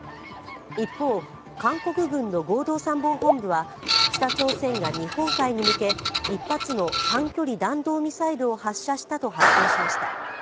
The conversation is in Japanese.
一方、韓国軍の合同参謀本部は北朝鮮が日本海に向け１発の短距離弾道ミサイルを発射したと発表しました。